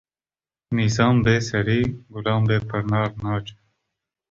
Nîsan bê serî, gulan bê pirnar naçe